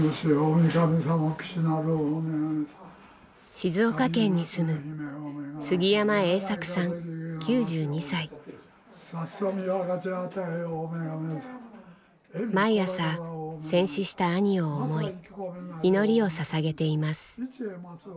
静岡県に住む毎朝戦死した兄を思い祈りをささげています。